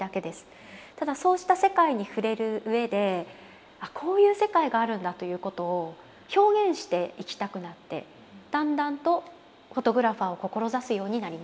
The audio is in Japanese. ただそうした世界に触れるうえでこういう世界があるんだということを表現していきたくなってだんだんとフォトグラファーを志すようになりました。